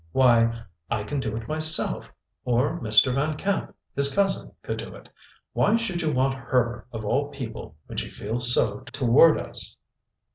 Why, I can do it myself; or Mr. Van Camp, his cousin, could do it. Why should you want her, of all people, when she feels so toward us?"